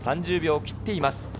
３０秒を切っています。